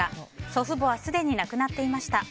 祖父母はすでに亡くなっていました。